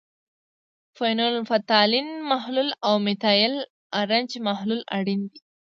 فینول فتالین محلول او میتایل ارنج محلول اړین دي.